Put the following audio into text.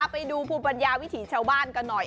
ไปดูภูมิปัญญาวิถีชาวบ้านกันหน่อย